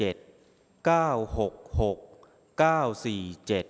ออกรางวัลที่๖